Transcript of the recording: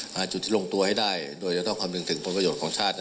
หาจุดที่โรงตัวให้ได้